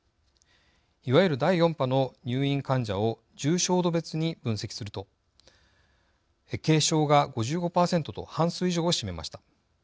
いわゆる第４波の入院患者を重症度別に分析すると軽症が５５％と半数以上を占めました。